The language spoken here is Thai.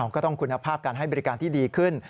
ก็ต้องคุณภาพการให้บริการที่ดีขึ้น